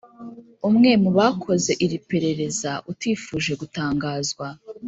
umwe mu bakoze iri perereza utifuje gutangazwa